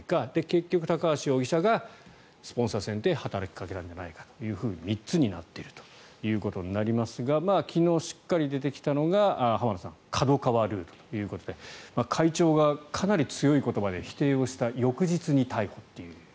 結局、高橋容疑者がスポンサー選定働きかけたんじゃないかと３つになっているということになりますが昨日、しっかり出てきたのがＫＡＤＯＫＡＷＡルートということで会長がかなり強い言葉で否定した翌日に逮捕と。